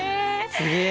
すげえ！